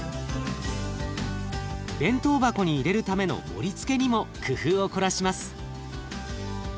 弁当箱に入れるための盛りつけにも工夫を凝らします。